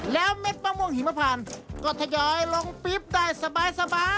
แล้วเม็ดมะม่วงหิมพานก็ทยอยลงปิ๊บได้สบาย